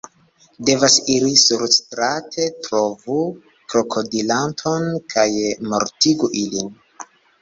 Devas iri surstrate, trovu krokodilanton kaj mortigu ilin